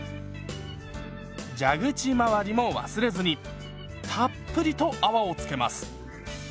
蛇口回りも忘れずにたっぷりと泡をつけます。